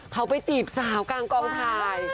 เขาไปจีบสาวกลางกองถ่าย